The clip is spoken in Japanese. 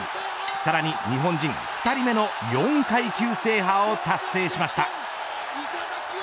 さらに、日本人２人目の４階級制覇を達成しました。